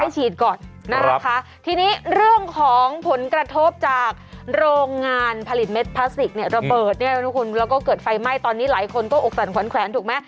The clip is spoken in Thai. ฉีดก่อนนะคะทีนี้เรื่องของผลกระทบจากโรงงานผลิตเม็ดพลาสติกเนี่ยระเบิดเนี่ยนะคุณแล้วก็เกิดไฟไหม้ตอนนี้หลายคนก็อกสั่นขวัญแขวนถูกไหม